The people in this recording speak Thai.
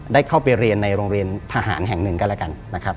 ได้เข้าไปเรียนในโรงเรียนทหารแห่งหนึ่งก็แล้วกันนะครับ